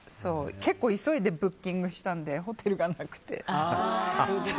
結構、急いでブッキングしたのでホテルがなくて。